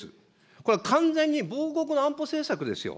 これは完全に亡国の安保政策ですよ。